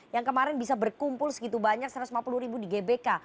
yang kemarin bisa berkumpul segitu banyak satu ratus lima puluh ribu di gbk